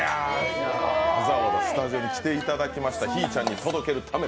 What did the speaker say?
わざわざスタジオに来ていただきましたひぃちゃんに届けるために。